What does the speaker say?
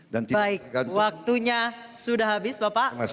baik waktunya sudah habis bapak